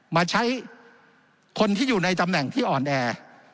มาใช้คนที่อยู่ในตำแหน่งที่อ่อนแอ